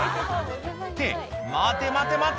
「って待て待て待て！」